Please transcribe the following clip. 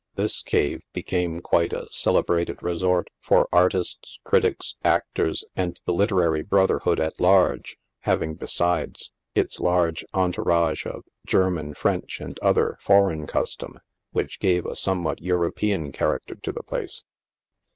This cave be came quite a celebrated resort for artists, critics, actors, and the lit erary brotherhood at large, having, besides, its large entourage of German, French and other foreign custom, which gave a somewhat European character to the place.